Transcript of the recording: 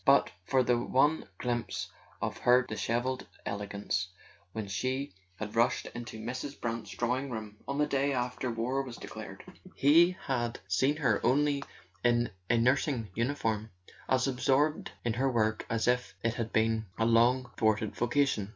But for the one glimpse of her dishevelled elegance, when she had rushed into Mrs. Brant's drawing room on the day after war was declared, he had seen her only in a nursing uniform, as absorbed in her work as if it had been a long thwarted vocation.